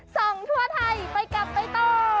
ส่องทั่วไทยไปกลับไปต่อ